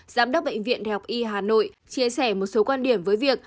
giám đốc bệnh viện đại học y hà nội chia sẻ một số quan điểm với việc